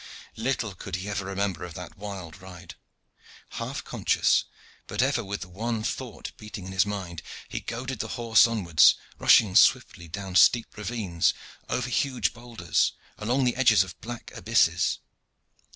Little could he ever remember of that wild ride. Half conscious, but ever with the one thought beating in his mind, he goaded the horse onwards, rushing swiftly down steep ravines over huge boulders, along the edges of black abysses.